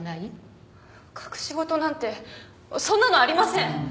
隠し事なんてそんなのありません！